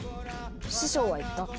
「師匠は言った。